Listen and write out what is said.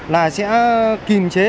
là sẽ kìm chế